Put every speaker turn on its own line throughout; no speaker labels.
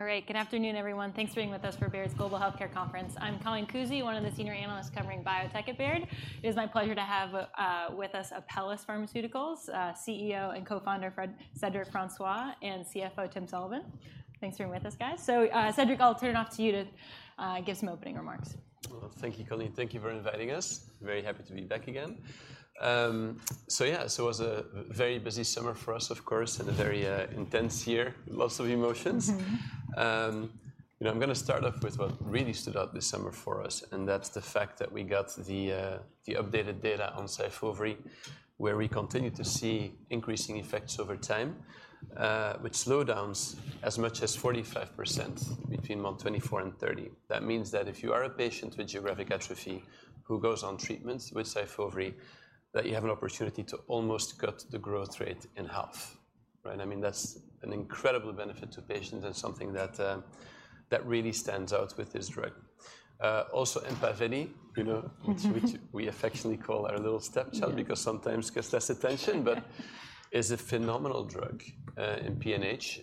All right. Good afternoon, everyone. Thanks for being with us for Baird's Global Healthcare Conference. I'm Colleen Kusy, one of the senior analysts covering biotech at Baird. It is my pleasure to have with us Apellis Pharmaceuticals CEO and co-founder Cedric Francois, and CFO, Tim Sullivan. Thanks for being with us, guys. So, Cedric, I'll turn it off to you to give some opening remarks.
Well, thank you, Colleen. Thank you for inviting us. Very happy to be back again. So yeah, it was a very busy summer for us, of course, and a very intense year. Lots of emotions. You know, I'm gonna start off with what really stood out this summer for us, and that's the fact that we got the, the updated data on SYFOVRE, where we continue to see increasing effects over time, with slowdowns as much as 45% between month 24 and 30. That means that if you are a patient with geographic atrophy who goes on treatments with SYFOVRE, that you have an opportunity to almost cut the growth rate in half, right? I mean, that's an incredible benefit to patients and something that, that really stands out with this drug. Also EMPAVELI, you know, which we affectionately call our little stepchild because sometimes gets less attention, but is a phenomenal drug in PNH.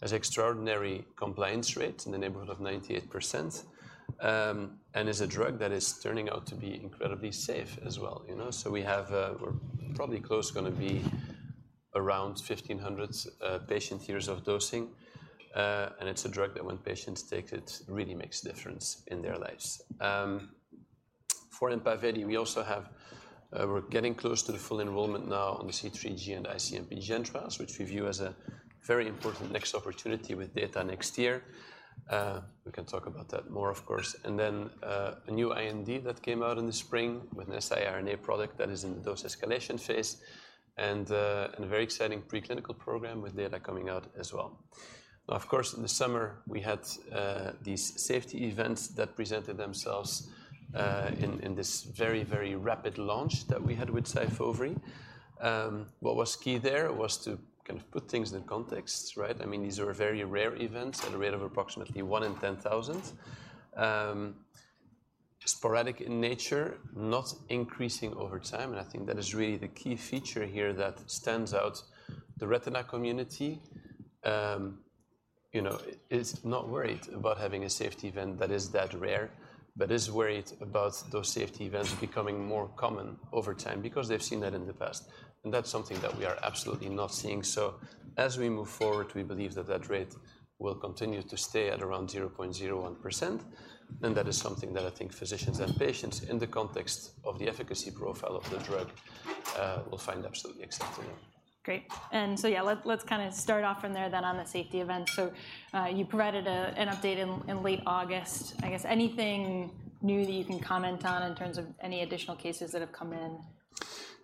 Has extraordinary compliance rates in the neighborhood of 98%, and is a drug that is turning out to be incredibly safe as well, you know. So we're probably close, gonna be around 1,500 patient years of dosing, and it's a drug that when patients take it, it really makes a difference in their lives. For EMPAVELI, we also have... We're getting close to the full enrollment now on the C3G and IC-MPGN trials, which we view as a very important next opportunity with data next year. We can talk about that more, of course. And then, a new IND that came out in the spring with an siRNA product that is in the dose escalation phase and a very exciting preclinical program with data coming out as well. Now, of course, in the summer, we had these safety events that presented themselves in this very, very rapid launch that we had with SYFOVRE. What was key there was to kind of put things in context, right? I mean, these are very rare events at a rate of approximately 1 in 10,000. Sporadic in nature, not increasing over time, and I think that is really the key feature here that stands out The retina community, you know, is not worried about having a safety event that is that rare, but is worried about those safety events becoming more common over time because they've seen that in the past, and that's something that we are absolutely not seeing. So as we move forward, we believe that that rate will continue to stay at around 0.01%, and that is something that I think physicians and patients, in the context of the efficacy profile of the drug, will find absolutely acceptable.
Great. And so, yeah, let's kind of start off from there then on the safety events. So, you provided an update in late August. I guess anything new that you can comment on in terms of any additional cases that have come in?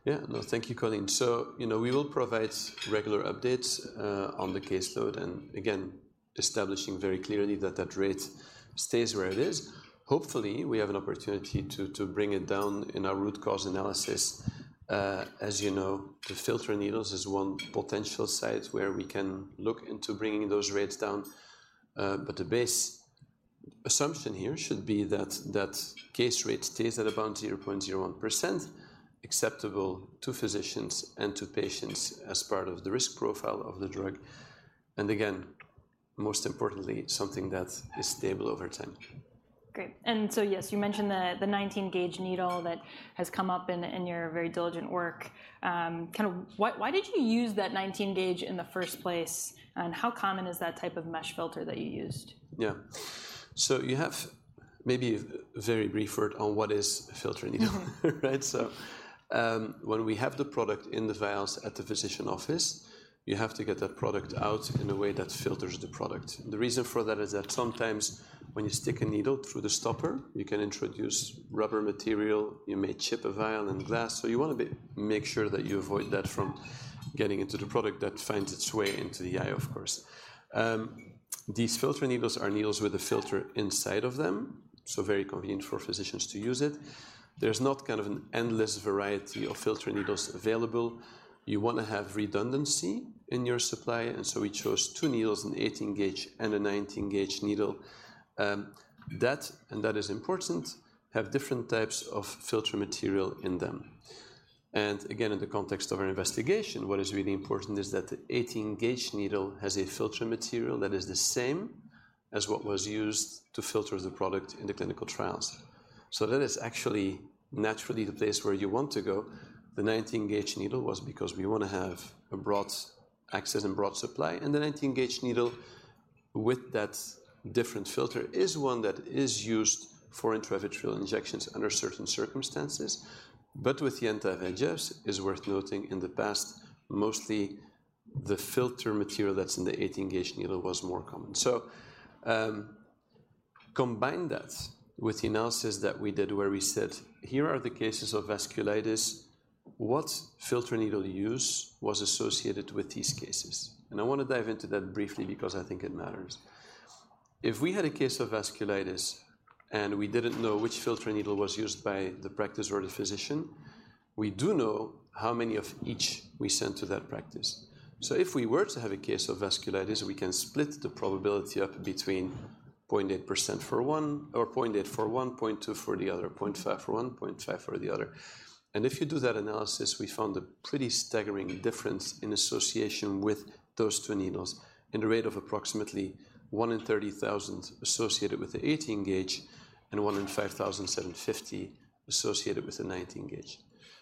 Yeah. Thank you, Colleen. So, you know, we will provide regular updates on the caseload, and again, establishing very clearly that that rate stays where it is. Hopefully, we have an opportunity to bring it down in our root cause analysis. As you know, the filter needles is one potential site where we can look into bringing those rates down. But the base assumption here should be that that case rate stays at about 0.01%, acceptable to physicians and to patients as part of the risk profile of the drug. And again, most importantly, something that is stable over time.
Great. And so, yes, you mentioned the 19-gauge needle that has come up in your very diligent work. Kind of why did you use that 19-gauge in the first place, and how common is that type of mesh filter that you used?
Yeah. So you have maybe a very brief word on what is a filter needle, right? When we have the product in the vials at the physician office, you have to get that product out in a way that filters the product. The reason for that is that sometimes when you stick a needle through the stopper, you can introduce rubber material, you may chip a vial in glass, so you wanna make sure that you avoid that from getting into the product that finds its way into the eye, of course. These filter needles are needles with a filter inside of them, so very convenient for physicians to use it. There's not kind of an endless variety of filter needles available. You wanna have redundancy in your supply, and so we chose two needles, an 18-gauge and a 19-gauge needle. That, and that is important, have different types of filter material in them. And again, in the context of our investigation, what is really important is that the 18-gauge needle has a filter material that is the same as what was used to filter the product in the clinical trials. So that is actually naturally the place where you want to go. The 19-gauge needle was because we wanna have a broad access and broad supply, and the 19-gauge needle with that different filter is one that is used for intravitreal injections under certain circumstances. But with the anti-VEGFs, it's worth noting in the past, mostly the filter material that's in the 18-gauge needle was more common. So, combine that with the analysis that we did where we said: Here are the cases of vasculitis. What filter needle use was associated with these cases? And I wanna dive into that briefly because I think it matters. If we had a case of vasculitis, and we didn't know which filter needle was used by the practice or the physician, we do know how many of each we sent to that practice. So if we were to have a case of vasculitis, we can split the probability up between 0.8% for one or 0.8 for one, 0.2 for the other, 0.5 for one, 0.5 for the other. And if you do that analysis, we found a pretty staggering difference in association with those two needles in the rate of approximately 1 in 30,000 associated with the 18-gauge and 1 in 5,750 associated with the 19-gauge.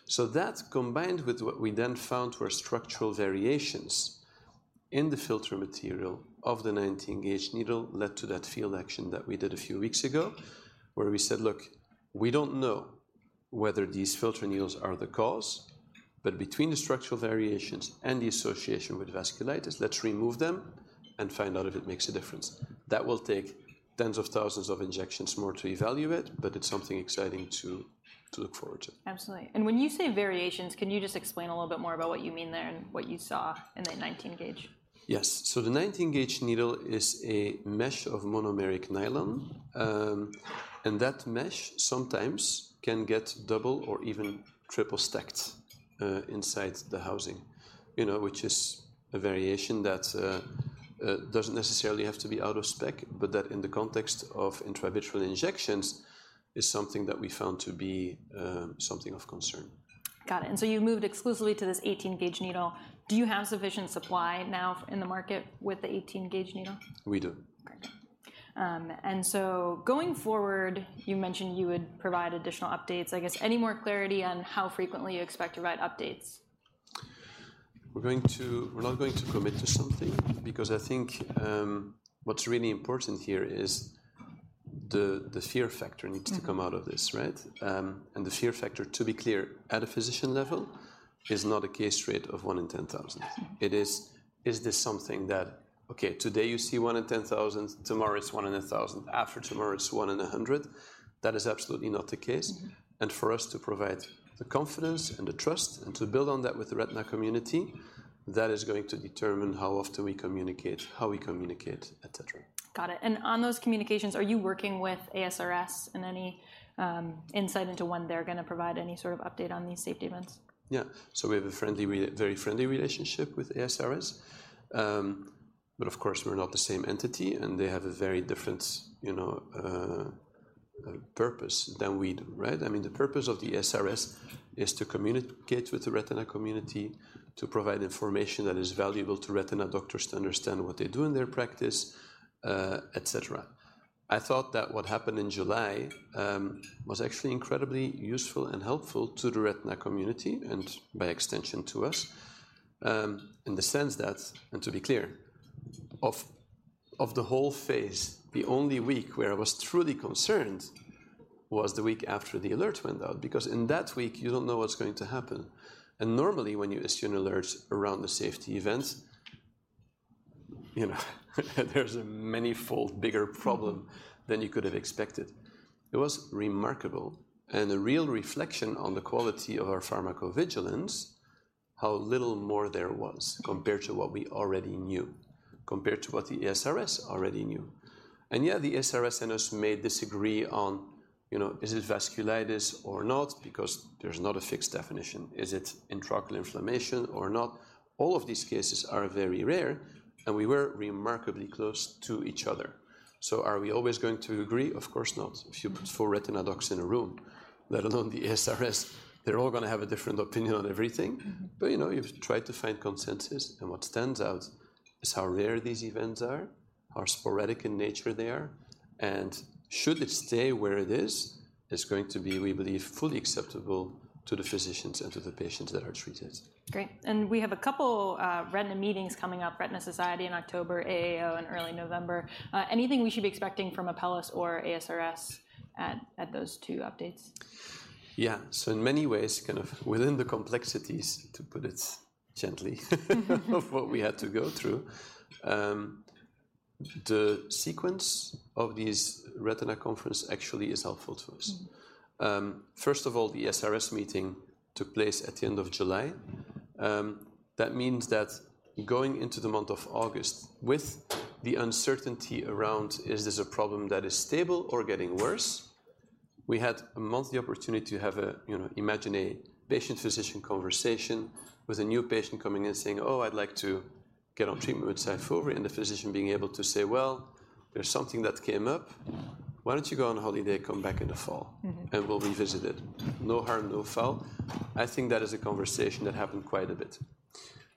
So that, combined with what we then found were structural variations in the filter material of the 19-gauge needle, led to that field action that we did a few weeks ago, where we said: "Look, we don't know whether these filter needles are the cause, but between the structural variations and the association with vasculitis, let's remove them and find out if it makes a difference." That will take tens of thousands of injections more to evaluate, but it's something exciting to look forward to.
Absolutely. And when you say variations, can you just explain a little bit more about what you mean there and what you saw in the 19-gauge?
Yes. So the 19-gauge needle is a mesh of monomeric nylon, and that mesh sometimes can get double or even triple stacked, inside the housing, you know, which is a variation that doesn't necessarily have to be out of spec, but that in the context of intravitreal injections, is something that we found to be something of concern.
Got it. And so you've moved exclusively to this 18-gauge needle. Do you have sufficient supply now in the market with the 18-gauge needle?
We do.
Great. And so going forward, you mentioned you would provide additional updates. I guess, any more clarity on how frequently you expect to write updates?
We're not going to commit to something because I think, what's really important here is the fear factor needs to come out of this, right? And the fear factor, to be clear, at a physician level, is not a case rate of 1 in 10,000. Today you see one in 10,000, tomorrow it's one in 1,000, after tomorrow, it's one in 100. That is absolutely not the case. For us to provide the confidence and the trust and to build on that with the retina community, that is going to determine how often we communicate, how we communicate, etc.
Got it. And on those communications, are you working with ASRS and any insight into when they're gonna provide any sort of update on these safety events?
Yeah. So we have a very friendly relationship with ASRS. But of course, we're not the same entity, and they have a very different, you know, purpose than we do, right? I mean, the purpose of the ASRS is to communicate with the retina community, to provide information that is valuable to retina doctors to understand what they do in their practice, et cetera. I thought that what happened in July was actually incredibly useful and helpful to the retina community and by extension, to us, in the sense that... And to be clear, of the whole phase, the only week where I was truly concerned was the week after the alert went out, because in that week, you don't know what's going to happen. And normally, when you issue an alert around the safety events, you know, there's a manifold bigger problem than you could have expected. It was remarkable and a real reflection on the quality of our pharmacovigilance, how little more there was compared to what we already knew, compared to what the ASRS already knew. And yeah, the ASRS and us may disagree on, you know, is it vasculitis or not? Because there's not a fixed definition. Is it intraocular inflammation or not? All of these cases are very rare, and we were remarkably close to each other. So are we always going to agree? Of course not. If you put four retina docs in a room, let alone the ASRS, they're all gonna have a different opinion on everything. But you know, you've tried to find consensus, and what stands out is how rare these events are, how sporadic in nature they are, and should it stay where it is, it's going to be, we believe, fully acceptable to the physicians and to the patients that are treated.
Great. We have a couple retina meetings coming up, Retina Society in October, AAO in early November. Anything we should be expecting from Apellis or ASRS at those two updates?
Yeah. So in many ways, kind of within the complexities, to put it gently, of what we had to go through, the sequence of these retina conference actually is helpful to us. First of all, the ASRS meeting took place at the end of July. That means that going into the month of August with the uncertainty around, is this a problem that is stable or getting worse? We had a monthly opportunity to have a, you know, imagine a patient-physician conversation with a new patient coming in saying: "Oh, I'd like to get on treatment with SYFOVRE," and the physician being able to say: "Well, there's something that came up. Why don't you go on holiday, come back in the fall and we'll revisit it?" No harm, no foul. I think that is a conversation that happened quite a bit.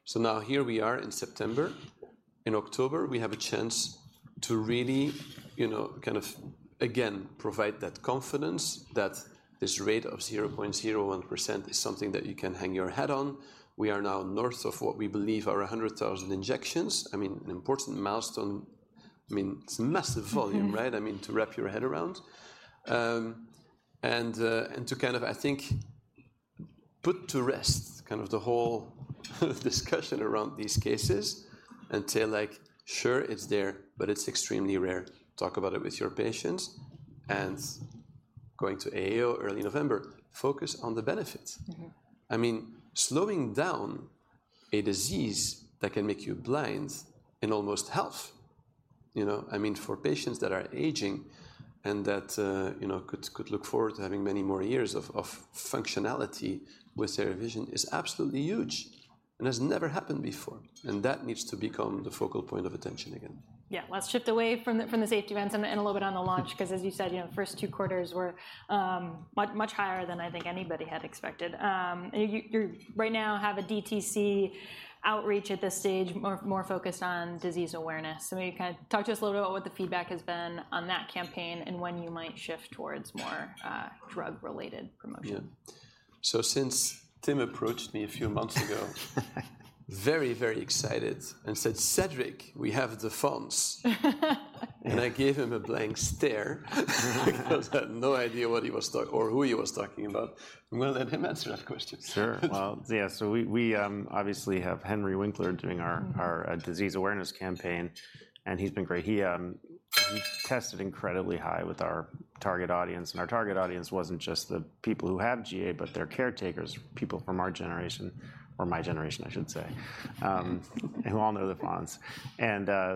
So now here we are in September. In October, we have a chance to really, you know, kind of, again, provide that confidence that this rate of 0.01% is something that you can hang your hat on. We are now north of what we believe are 100,000 injections. I mean, an important milestone. I mean, it's a massive volume right? I mean, to wrap your head around to kind of, I think, put to rest kind of the whole discussion around these cases and say, like: "Sure, it's there, but it's extremely rare. Talk about it with your patients," and going to AAO early November, focus on the benefits. I mean, slowing down a disease that can make you blind in almost half, you know—I mean, for patients that are aging and that, you know, could look forward to having many more years of functionality with their vision is absolutely huge, and has never happened before. And that needs to become the focal point of attention again.
Yeah, let's shift away from the safety events and a little bit on the launch—'cause as you said, you know, first two quarters were much, much higher than I think anybody had expected. You right now have a DTC outreach at this stage, more focused on disease awareness. So maybe kind of talk to us a little bit about what the feedback has been on that campaign, and when you might shift towards more drug-related promotion.
Yeah. So since Tim approached me a few months ago, very, very excited, and said, "Cedric, we have The Fonz." And I gave him a blank stare because I had no idea what he was talking about or who he was talking about. We'll let him answer that question.
Sure. Well, yeah, so we obviously have Henry Winkler doing our disease awareness campaign, and he's been great. He tested incredibly high with our target audience. Our target audience wasn't just the people who have GA, but their caretakers, people from our generation, or my generation, I should say—who all know The Fonz.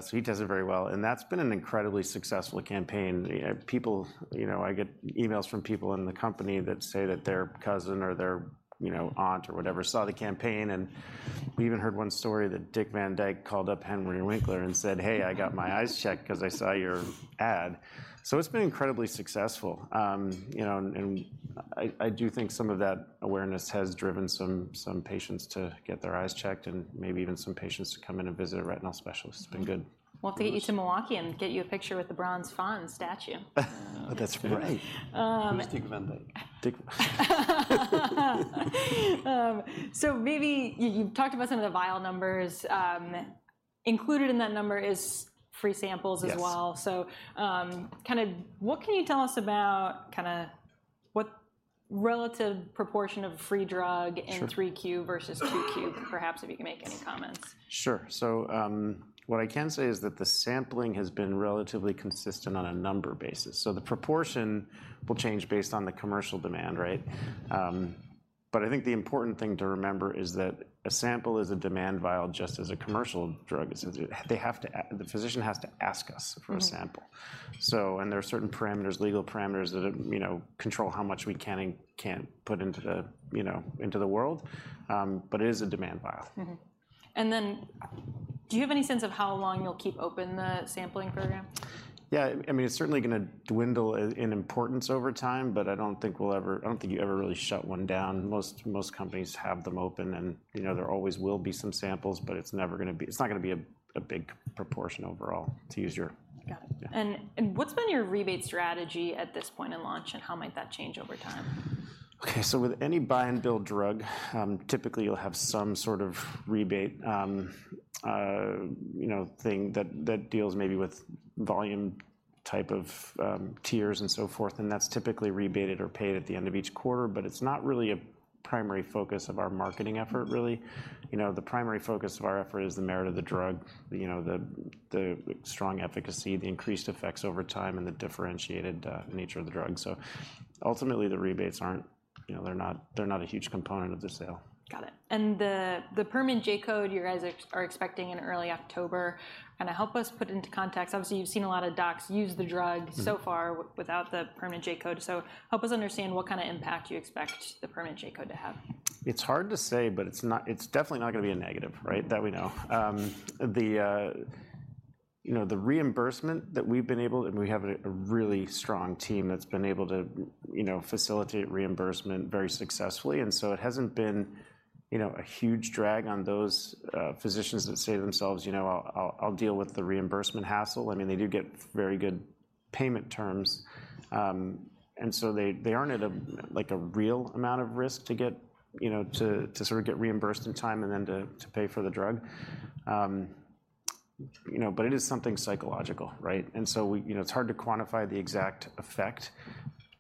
So he does it very well, and that's been an incredibly successful campaign. People... You know, I get emails from people in the company that say that their cousin or their, you know, aunt or whatever, saw the campaign, and we even heard one story that Dick Van Dyke called up Henry Winkler and said, "Hey, I got my eyes checked 'cause I saw your ad." So it's been incredibly successful. You know, and I do think some of that awareness has driven some patients to get their eyes checked, and maybe even some patients to come in and visit a retinal specialist. It's been good.
We'll have to get you to Milwaukee and get you a picture with the Bronze Fonz statue.
Oh, that's right.
Who's Dick Van Dyke?
So maybe you, you've talked about some of the vial numbers. Included in that number is free samples as well. So, kind of what can you tell us about kind of what relative proportion of free drug in 3Q versus 2Q, perhaps if you can make any comments?
Sure. So, what I can say is that the sampling has been relatively consistent on a number basis, so the proportion will change based on the commercial demand, right? But I think the important thing to remember is that a sample is a demand vial, just as a commercial drug is. The physician has to ask us for a sample. There are certain parameters, legal parameters, that, you know, control how much we can and can't put into the, you know, into the world, but it is a demand vial.
And then do you have any sense of how long you'll keep open the sampling program?
Yeah, I mean, it's certainly gonna dwindle in importance over time, but I don't think we'll ever, I don't think you ever really shut one down. Most companies have them open and, you know, there always will be some samples, but it's never gonna be, it's not gonna be a big proportion overall.
Got it. What's been your rebate strategy at this point in launch, and how might that change over time?
Okay, so with any buy-and-bill drug, typically you'll have some sort of rebate, you know, thing that, that deals maybe with volume type of, tiers and so forth, and that's typically rebated or paid at the end of each quarter. But it's not really a primary focus of our marketing effort, really. You know, the primary focus of our effort is the merit of the drug, you know, the, the strong efficacy, the increased effects over time, and the differentiated, nature of the drug. So ultimately, the rebates aren't, you know, they're not, they're not a huge component of the sale.
Got it. And the permanent J-code, you guys are expecting in early October. Kinda help us put it into context. Obviously, you've seen a lot of docs use the drug so far without the permanent J-code. So help us understand what kind of impact you expect the permanent J-code to have.
It's hard to say, but it's not- It's definitely not gonna be a negative, right? That we know. The reimbursement that we've been able to. And we have a really strong team that's been able to, you know, facilitate reimbursement very successfully, and so it hasn't been, you know, a huge drag on those physicians that say to themselves: "You know, I'll deal with the reimbursement hassle." I mean, they do get very good payment terms, and so they, they aren't at a, like, a real amount of risk to get, you know, to, to sort of get reimbursed in time and then to, to pay for the drug. You know, but it is something psychological, right? And so we- you know, it's hard to quantify the exact effect.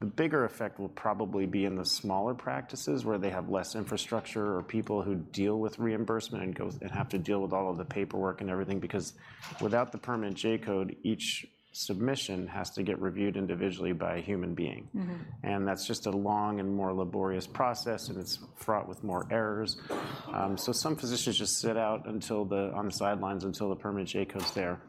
The bigger effect will probably be in the smaller practices, where they have less infrastructure or people who deal with reimbursement and have to deal with all of the paperwork and everything. Because without the permanent J-code, each submission has to get reviewed individually by a human being. That's just a long and more laborious process, and it's fraught with more errors. So some physicians just sit out, on the sidelines, until the permanent J-code's there.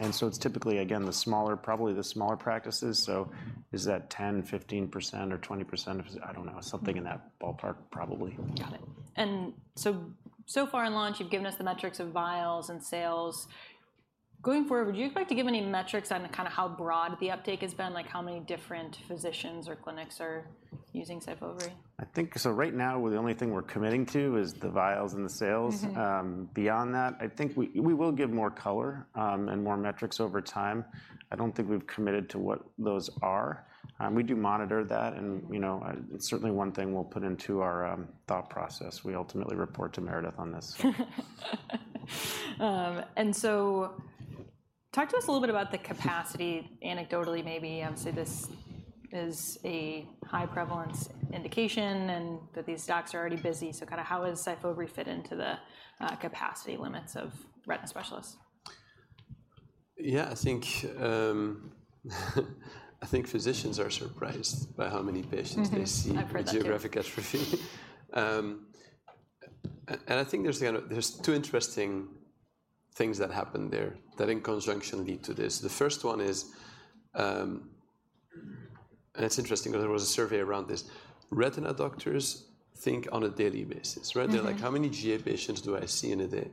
And so it's typically, again, the smaller practices, probably. So is that 10, 15% or 20% of... I don't know. Something in that ballpark, probably.
Got it. And so, so far in launch, you've given us the metrics of vials and sales. Going forward, would you expect to give any metrics on kind of how broad the uptake has been? Like, how many different physicians or clinics are using SYFOVRE?
I think... So right now, the only thing we're committing to is the vials and the sales. Beyond that, I think we will give more color and more metrics over time. I don't think we've committed to what those are. We do monitor that, and, you know, it's certainly one thing we'll put into our thought process. We ultimately report to Meredith on this.
So talk to us a little bit about the capacity, anecdotally, maybe. Obviously, this is a high-prevalence indication and that these docs are already busy, so kind of how does SYFOVRE fit into the capacity limits of retina specialists?
Yeah, I think, I think physicians are surprised by how many patients they see-
I've heard that, too.
With Geographic Atrophy. And I think there's kind of two interesting things that happened there, that in conjunction lead to this. The first one is, and it's interesting, there was a survey around this. Retina doctors think on a daily basis, right? They're like: How many GA patients do I see in a day?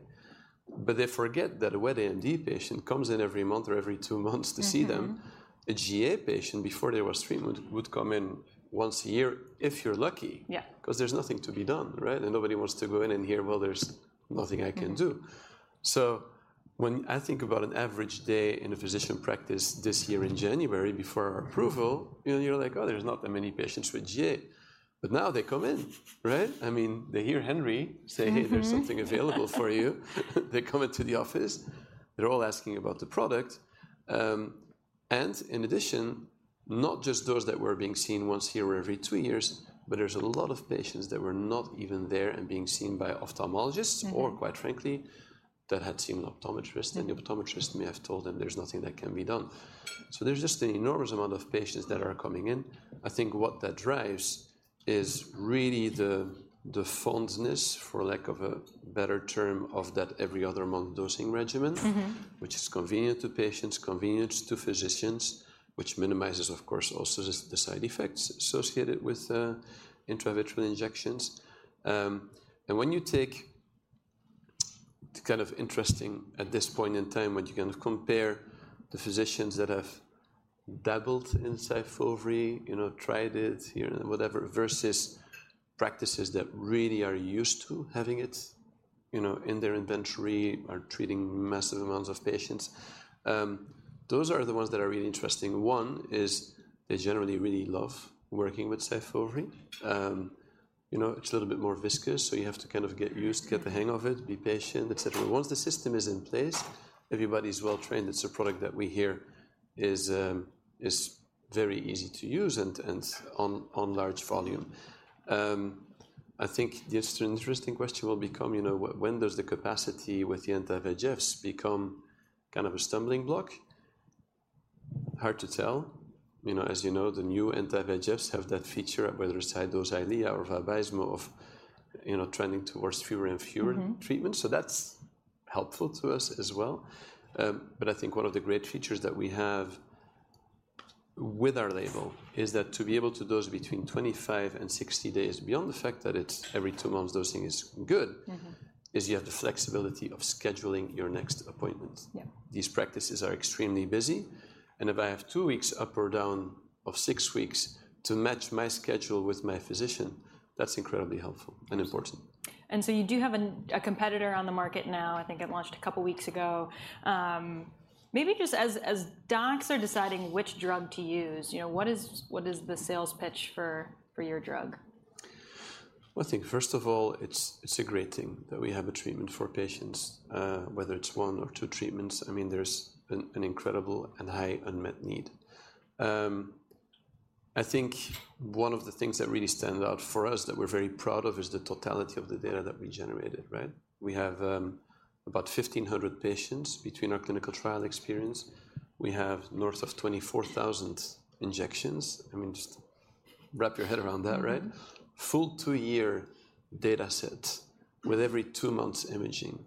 But they forget that a wet AMD patient comes in every month or every two months to see them. A GA patient, before there was treatment, would come in once a year, if you're lucky. Because there's nothing to be done, right? And nobody wants to go in and hear, "Well, there's nothing I can do. So when I think about an average day in a physician practice this year in January, before our approval, you know, you're like: Oh, there's not that many patients with GA. But now they come in, right? I mean, they hear Henry say Hey, there's something available for you. They come into the office, they're all asking about the product. And in addition, not just those that were being seen once a year or every two years, but there's a lot of patients that were not even there and being seen by ophthalmologists or quite frankly, that had seen an optometrist. The optometrist may have told them there's nothing that can be done. So there's just an enormous amount of patients that are coming in. I think what that drives is really the fondness, for lack of a better term, of that every other month dosing regimen. Which is convenient to patients, convenient to physicians, which minimizes, of course, also the side effects associated with the intravitreal injections. And when you take—it's kind of interesting at this point in time, when you're going to compare the physicians that have dabbled in SYFOVRE, you know, tried it here and whatever, versus practices that really are used to having it, you know, in their inventory, are treating massive amounts of patients. Those are the ones that are really interesting. One is they generally really love working with SYFOVRE. You know, it's a little bit more viscous, so you have to kind of get used to, get the hang of it, be patient, et cetera. Once the system is in place, everybody's well trained. It's a product that we hear is very easy to use and on large volume. I think just an interesting question will become, you know, when does the capacity with the anti-VEGFs become kind of a stumbling block? Hard to tell. You know, as you know, the new anti-VEGFs have that feature, whether it's high-dose EYLEA or VABYSMO, of, you know, trending towards fewer and fewer treatments. So that's helpful to us as well. But I think one of the great features that we have with our label is that to be able to dose between 25 and 60 days, beyond the fact that it's every two months, dosing is good is you have the flexibility of scheduling your next appointments. These practices are extremely busy, and if I have 2 weeks up or down of 6 weeks to match my schedule with my physician, that's incredibly helpful and important.
You do have a competitor on the market now. I think it launched a couple of weeks ago. Maybe just as docs are deciding which drug to use, you know, what is the sales pitch for your drug?
Well, I think first of all, it's, it's a great thing that we have a treatment for patients, whether it's one or two treatments. I mean, there's an incredible and high unmet need. I think one of the things that really stand out for us that we're very proud of is the totality of the data that we generated, right? We have about 1,500 patients between our clinical trial experience. We have north of 24,000 injections. I mean, just wrap your head around that, right? Full two-year data set with every two months imaging,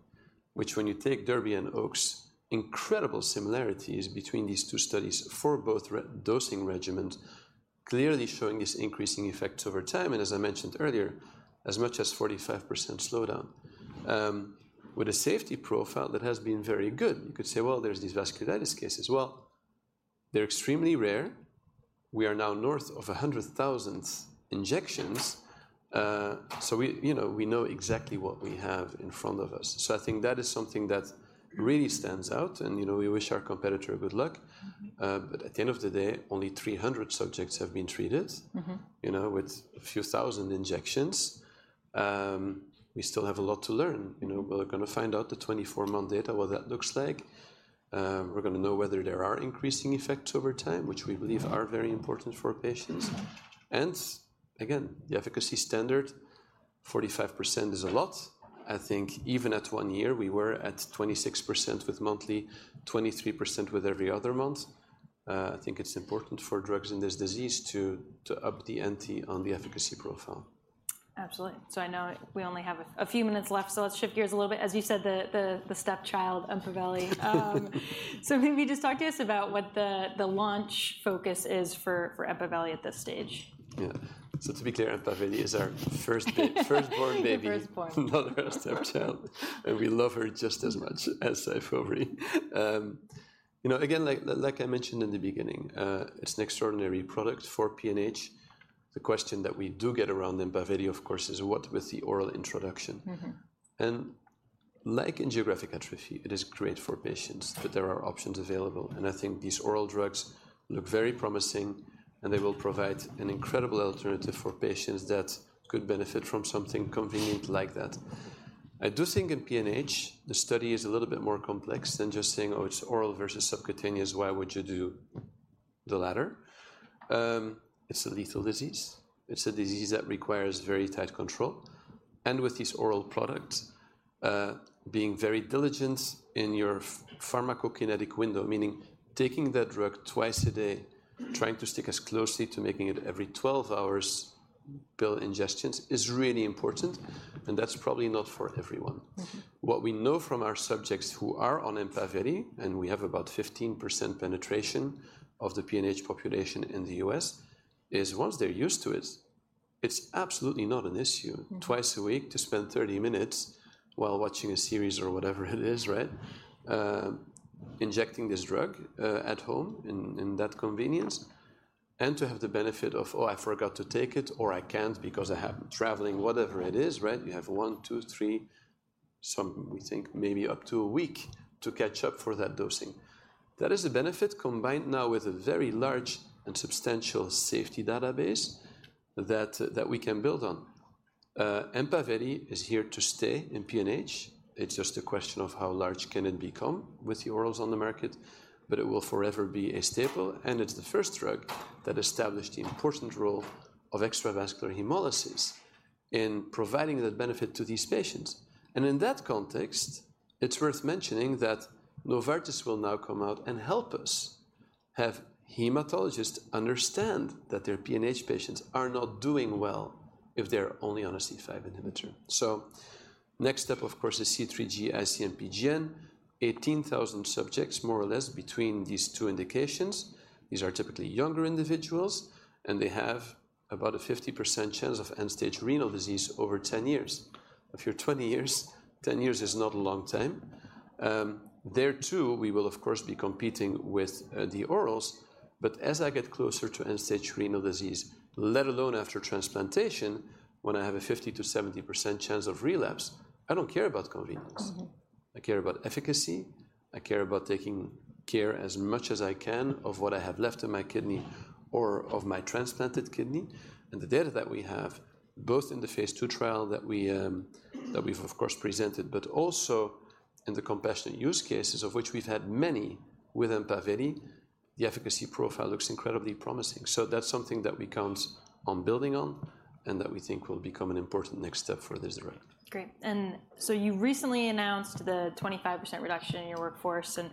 which when you take DERBY and OAKS, incredible similarities between these two studies for both re-dosing regimens, clearly showing these increasing effects over time, and as I mentioned earlier, as much as 45% slowdown. With a safety profile that has been very good. You could say, well, there's these vasculitis cases. Well, they're extremely rare. We are now north of 100,000 injections, so we, you know, we know exactly what we have in front of us. So I think that is something that really stands out, and, you know, we wish our competitor good luck. At the end of the day, only 300 subjects have been treated. You know, with a few thousand injections. We still have a lot to learn. You know, we're gonna find out the 24-month data, what that looks like. We're gonna know whether there are increasing effects over time, which we believe are very important for patients. And again, the efficacy standard, 45% is a lot. I think even at one year, we were at 26% with monthly, 23% with every other month. I think it's important for drugs in this disease to up the ante on the efficacy profile.
Absolutely. So I know we only have a few minutes left, so let's shift gears a little bit. As you said, the stepchild, EMPAVELI. So maybe just talk to us about what the launch focus is for EMPAVELI at this stage.
Yeah. So to be clear, EMPAVELI is our firstborn baby.
The firstborn.
Not our stepchild, and we love her just as much as SYFOVRE. You know, again, like, like I mentioned in the beginning, it's an extraordinary product for PNH. The question that we do get around EMPAVELI, of course, is: What with the oral introduction? Like in geographic atrophy, it is great for patients, but there are options available, and I think these oral drugs look very promising, and they will provide an incredible alternative for patients that could benefit from something convenient like that. I do think in PNH, the study is a little bit more complex than just saying: Oh, it's oral versus subcutaneous, why would you do the latter? It's a lethal disease. It's a disease that requires very tight control, and with these oral products, being very diligent in your pharmacokinetic window, meaning taking that drug twice a day, trying to stick as closely to making it every 12 hours pill ingestions is really important, and that's probably not for everyone. What we know from our subjects who are on EMPAVELI, and we have about 15% penetration of the PNH population in the U.S., is once they're used to it, it's absolutely not an issue twice a week to spend 30 minutes while watching a series or whatever it is, right? Injecting this drug at home in that convenience, and to have the benefit of, "Oh, I forgot to take it," or, "I can't because I have traveling," whatever it is, right? You have 1, 2, 3, some we think maybe up to a week to catch up for that dosing. That is a benefit combined now with a very large and substantial safety database that we can build on. EMPAVELI is here to stay in PNH. It's just a question of how large can it become with the orals on the market, but it will forever be a staple, and it's the first drug that established the important role of extravascular hemolysis in providing that benefit to these patients. In that context, it's worth mentioning that Novartis will now come out and help us have hematologists understand that their PNH patients are not doing well if they're only on a C5 inhibitor. Next step, of course, is C3G, IC-MPGN, 18,000 subjects, more or less, between these two indications. These are typically younger individuals, and they have about a 50% chance of end-stage renal disease over 10 years. If you're 20 years, 10 years is not a long time. There, too, we will of course be competing with the orals, but as I get closer to end-stage renal disease, let alone after transplantation, when I have a 50%-70% chance of relapse, I don't care about convenience. I care about efficacy. I care about taking care as much as I can of what I have left in my kidney or of my transplanted kidney. And the data that we have, both in the phase II trial that we, that we've of course presented, but also in the compassionate use cases, of which we've had many with EMPAVELI, the efficacy profile looks incredibly promising. So that's something that we count on building on and that we think will become an important next step for this drug.
Great. And so you recently announced the 25% reduction in your workforce, and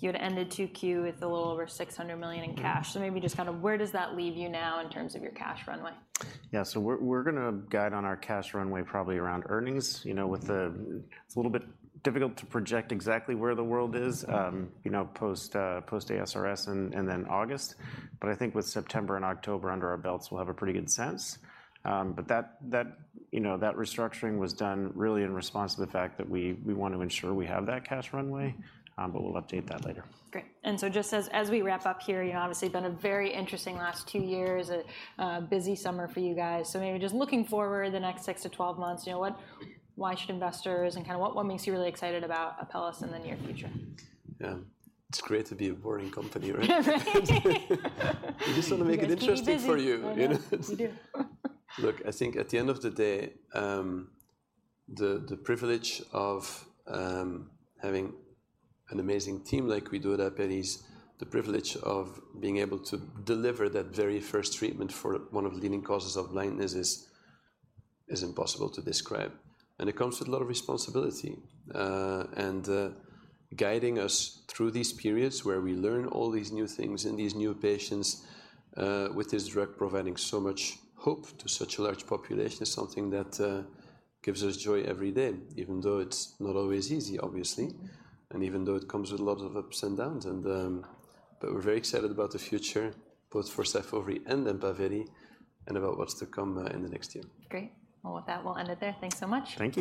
you had ended 2Q with a little over $600 million in cash. Maybe just kind of where does that leave you now in terms of your cash runway?
Yeah. So we're gonna guide on our cash runway probably around earnings, you know, with the... It's a little bit difficult to project exactly where the world is. You know, post, post ASRS and, and then August. But I think with September and October under our belts, we'll have a pretty good sense. But that, that, you know, that restructuring was done really in response to the fact that we, we want to ensure we have that cash runway, but we'll update that later.
Great. And so just as, as we wrap up here, you know, obviously, been a very interesting last two years, a, a busy summer for you guys. So maybe just looking forward the next six to 12 months, you know, what—why should investors and kind of what, what makes you really excited about Apellis in the near future?
It's great to be a boring company, right? We just wanna make it interesting for you. Look, I think at the end of the day, the privilege of having an amazing team like we do at Apellis, the privilege of being able to deliver that very first treatment for one of the leading causes of blindness is impossible to describe, and it comes with a lot of responsibility. Guiding us through these periods where we learn all these new things and these new patients with this drug providing so much hope to such a large population is something that gives us joy every day, even though it's not always easy, obviouslyand even though it comes with a lot of ups and downs. And, but we're very excited about the future, both for SYFOVRE and EMPAVELI, and about what's to come, in the next year.
Great. Well, with that, we'll end it there. Thanks so much.
Thank you.